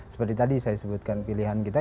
seperti tadi saya sebutkan pilihan kita